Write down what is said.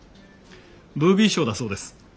ブービー賞だそうです。